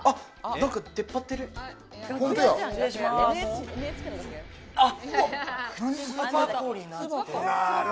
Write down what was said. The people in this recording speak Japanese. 何か出っ張ってる。